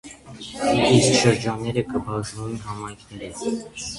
Իսկ շրջաները կը բաժնուին համայնքներու։